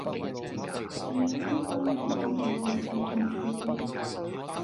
又有諗過買露營爐頭同廚具